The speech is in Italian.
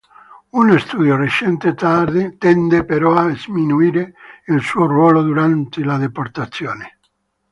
Uno studio recente tende però a sminuire il suo ruolo durante le deportazioni.